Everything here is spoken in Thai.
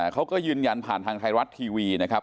เขาก็ยืนยันผ่านทางไทยรัฐทีวีนะครับ